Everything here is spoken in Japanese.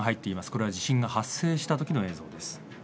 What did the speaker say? これは地震が発生したときの映像です。